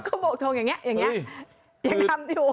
ก็โบกทงอย่างนี้อย่างนี้